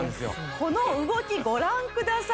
この動きご覧ください